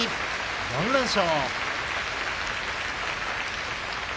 ４連勝。